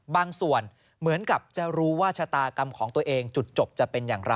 บางส่วนเหมือนกับจะรู้ว่าชะตากรรมของตัวเองจุดจบจะเป็นอย่างไร